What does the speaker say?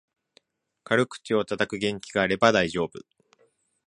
軽口をたたく元気があれば大丈夫